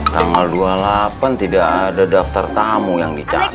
tanggal dua puluh delapan tidak ada daftar tamu yang dicabut